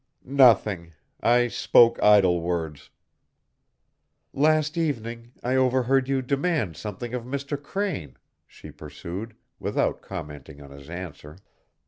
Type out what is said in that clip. "Nothing. I spoke idle words." "Last evening I overheard you demand something of Mr. Crane," she pursued, without commenting on his answer.